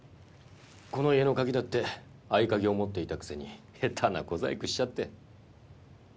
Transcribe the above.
この家の鍵だって合鍵を持っていたくせに下手な小細工しちゃって。